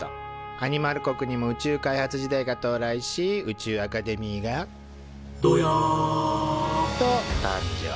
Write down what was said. アニマル国にも宇宙開発時代が到来し宇宙アカデミーが「ドヤァ！」と誕生。